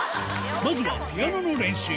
まずはピアノの練習。